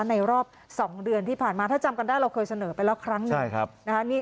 ในรอบ๒เดือนที่ผ่านมาถ้าจำกันได้เราเคยเสนอไปแล้วครั้งหนึ่ง